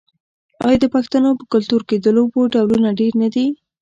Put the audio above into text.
آیا د پښتنو په کلتور کې د لوبو ډولونه ډیر نه دي؟